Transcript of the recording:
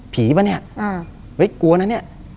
ป่ะเนี่ยเฮ้ยกลัวนะเนี่ย